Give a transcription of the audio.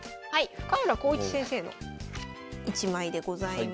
深浦康市先生の一枚でございます。